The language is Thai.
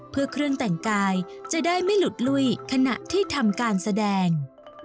เพื่อเครื่องแต่งกายจะได้ไม่หลุดลุยขณะที่ทำการแสดง